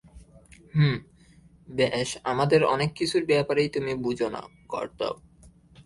হুম, বেশ আমাদের অনেক কিছুর ব্যাপারেই তুমি বোঝো না, গর্দভ।